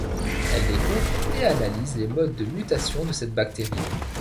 Elle découvre et analyse les modes de mutation de cette bactérie.